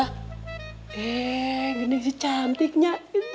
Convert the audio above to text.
eh gini si cantiknya